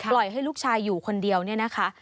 ปล่อยให้ลูกชายอยู่คนเดียวนะคะ